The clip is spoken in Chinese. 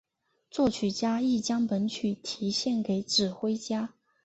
作曲家亦将本曲题献给指挥家。